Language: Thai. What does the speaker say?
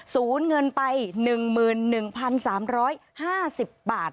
สูญเงินไป๑๑๓๕๐บาท